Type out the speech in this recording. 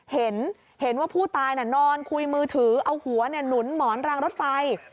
เห็นว่าผู้ตายนอนคุยมือถือเอาหัวหนุนหมอนรางรถไฟ